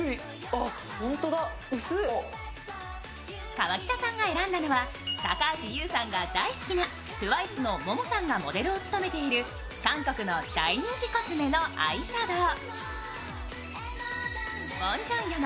河北さんが選んだのは高橋ユウさんが大好きなＴＷＩＣＥのモモさんがモデルを務めている韓国の大人気コスメのアイシャドウ。